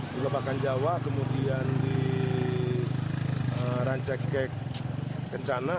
di lebakan jawa kemudian di rancake kencana